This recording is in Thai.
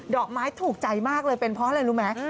อกไม้ถูกใจมากเลยเป็นเพราะอะไรรู้ไหม